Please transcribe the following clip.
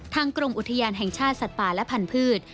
กรมอุทยานแห่งชาติสัตว์ป่าและพันธุ์